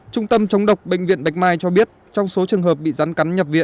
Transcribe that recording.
trung tâm chống độc bệnh viện bạch mai cho biết trong số trường hợp bị rắn cắn nhập viện